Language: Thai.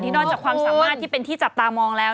นอกจากความสามารถที่เป็นที่จับตามองแล้ว